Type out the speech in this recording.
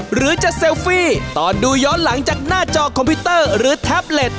หรือจะเซลฟี่ตอนดูย้อนหลังจากหน้าจอคอมพิวเตอร์หรือแท็บเล็ต